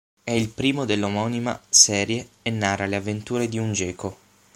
È il primo dell'omonima serie e narra le avventure di un geco.